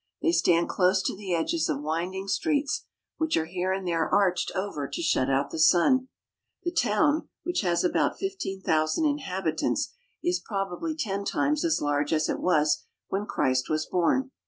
They stand close to the edges of winding streets, which are here and there arched over to shut out the sun. The town, which has about fifteen thousand inhabitants, is probably ten times as large as it was when Christ was born.